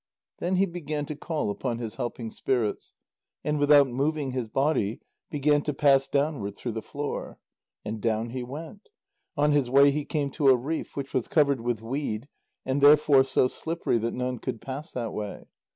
Then he began to call upon his helping spirits, and without moving his body, began to pass downward through the floor. And down he went. On his way he came to a reef, which was covered with weed, and therefore so slippery that none could pass that way.